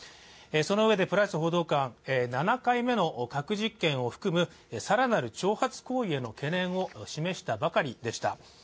そのうえでプライス報道官は７回目の核実験を含む更なる挑発行為への懸念を示したばかりでした。